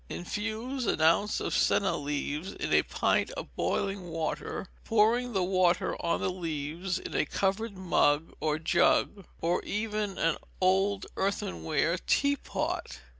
Infuse an ounce of senna leaves in a pint of boiling water, pouring the water on the leaves in a covered mug or jug, or even an old earthenware teapot.